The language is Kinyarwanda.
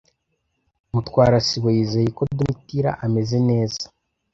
Mutwara sibo yizeye ko Domitira ameze neza.